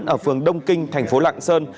ở phường đông kinh thành phố lạng sơn